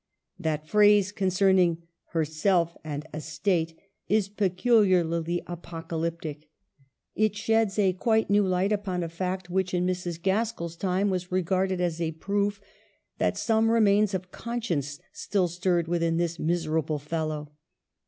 That phrase concerning " herself and estate " is peculiarly apocalyptic. It sheds a quite new light upon a fact which, in Mrs. Gaskell's time, was regarded as a proof that some remains of conscience still stirred within this miserable fel low.